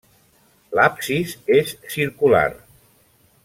L'absis és circular.